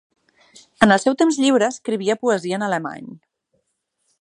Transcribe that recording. En el seu temps lliure, escrivia poesia en alemany.